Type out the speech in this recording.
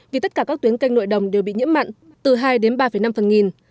vì tất cả các tuyến canh nội đồng đều bị nhiễm mặn từ hai đến ba năm phần nghìn